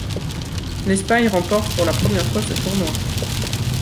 L'Espagne remporte pour la première fois ce tournoi.